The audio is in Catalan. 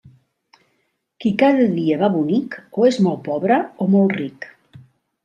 Qui cada dia va bonic, o és molt pobre o molt ric.